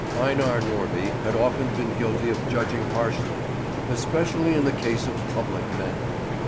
Einar Norby had often been guilty of judging harshly, especially in the case of public men.